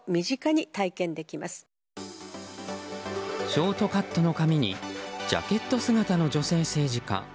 ショートカットの髪にジャケット姿の女性政治家。